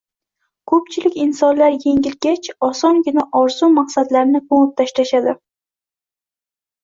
Ko‘pchilik insonlar yengilgach, osongina orzu-maqsadlarini ko‘mib tashlashadi.